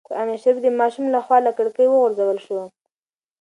قرانشریف د ماشوم له خوا له کړکۍ وغورځول شو.